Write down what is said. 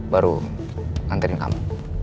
baru anterin kamu